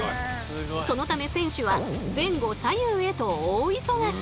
そのため選手は前後左右へと大忙し。